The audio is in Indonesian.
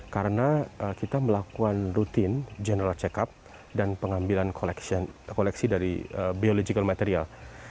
karena kita melakukan rutin general check up dan pengambilan koleksi dari biological material